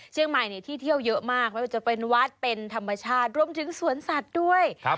เชียงใหม่เนี่ยที่เที่ยวเยอะมากไม่ว่าจะเป็นวัดเป็นธรรมชาติรวมถึงสวนสัตว์ด้วยครับ